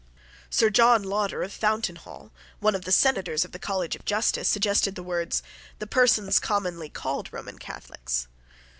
Sir John Lauder of Fountainhall, one of the Senators of the College of Justice, suggested the words, "the persons commonly called Roman Catholics."